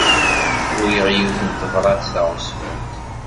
Uriɣ-as yiwet n tebṛat d taɣezfant.